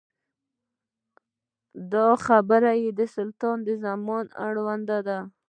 دا خبرې د سلطنت د زمانې اړوند دي.